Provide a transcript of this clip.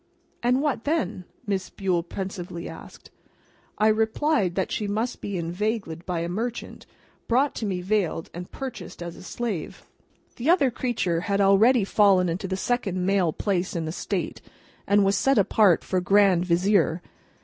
"And what then?" Miss Bule pensively asked. I replied that she must be inveigled by a Merchant, brought to me veiled, and purchased as a slave. [The other creature had already fallen into the second male place in the State, and was set apart for Grand Vizier.